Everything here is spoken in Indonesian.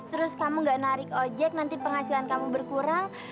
terus kamu gak narik ojek nanti penghasilan kamu berkurang